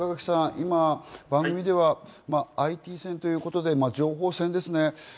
今、番組ではＩＴ戦ということで情報戦ですね。